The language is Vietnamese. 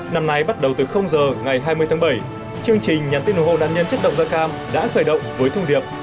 năm nay bắt đầu từ giờ ngày hai mươi tháng bảy chương trình nhắn tin ủng hộ nạn nhân chất độc da cam đã khởi động với thông điệp